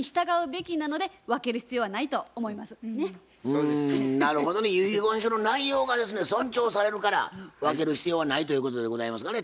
うんなるほどね遺言書の内容が尊重されるから分ける必要はないということでございますかね。